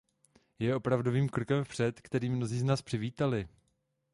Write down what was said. Je opravdovým krokem vpřed, který mnozí z nás přivítali.